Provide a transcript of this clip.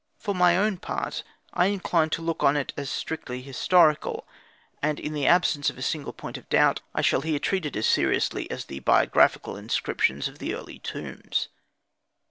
For my own part, I incline to look on it as strictly historical; and in the absence of a single point of doubt, I shall here treat it as seriously as the biographical inscriptions of the early tombs.